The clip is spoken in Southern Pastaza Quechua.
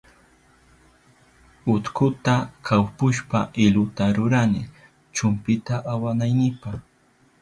Utkuta kawpushpa iluta rurani chumpita awanaynipa.